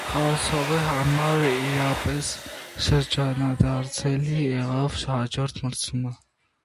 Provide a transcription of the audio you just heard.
Խաղացողի համար իրապես շրջադարձելի եղավ հաջորդ մրցաշրջանը։